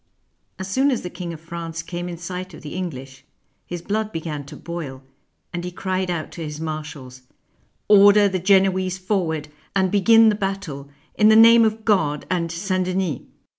As soon as the King of France came in sight of the English, his blood began to boil, and he cried out to his marshals, " Order the Genoese forward and begin the battle, in the name of God and St. Denis."